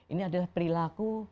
ini adalah perilaku